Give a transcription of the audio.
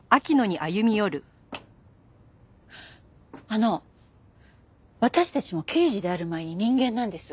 あの私たちも刑事である前に人間なんです。